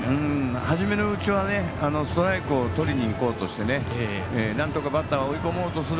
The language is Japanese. はじめのうちはストライクをとりにいこうとしてなんとかバッターを追い込もうとする。